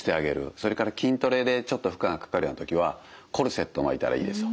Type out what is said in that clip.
それから筋トレでちょっと負荷がかかるような時はコルセット巻いたらいいですよ。